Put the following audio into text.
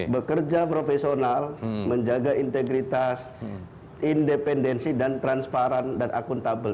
bekerja profesional menjaga integritas independensi dan transparan dan akuntabel